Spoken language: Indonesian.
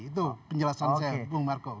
itu penjelasan saya bung marco